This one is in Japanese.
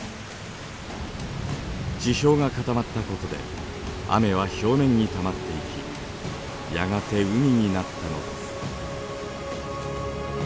地表が固まったことで雨は表面にたまっていきやがて海になったのです。